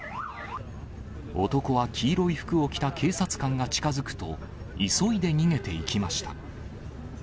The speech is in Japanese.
男は黄色い服を着た警察官が近づくと、急いで逃げていきました。